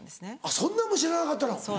そんなんも知らなかったの。